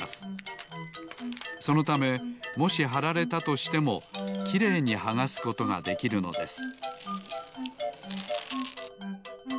そのためもしはられたとしてもきれいにはがすことができるのです